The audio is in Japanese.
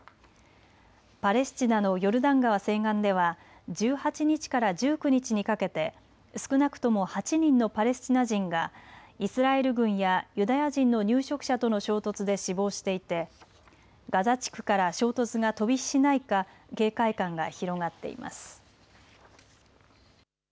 パレスチナのヨルダン川西岸では１８日から１９日にかけて少なくとも８人のパレスチナ人がイスラエル軍やユダヤ人の入植者との衝突で死亡していてガザ地区から衝突が飛び火しないか警戒感が広がっています。